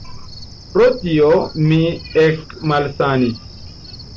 Pro tio mi ekmalsanis.